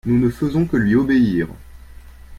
nous ne faisons que lui obérir.